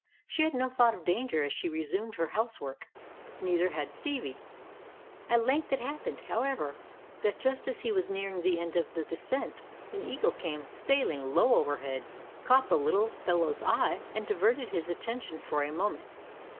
She had no thought of danger as she resumed her housework. Neither had Stevie. At length it happened, however, that just as he was nearing the end of the descent, an eagle came sailing low overhead, caught the little fellow's eye, and diverted his attention for a moment.